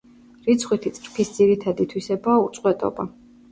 რიცხვითი წრფის ძირითადი თვისებაა უწყვეტობა.